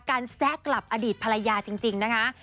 แซะกลับอดีตภรรยาจริงนะคะ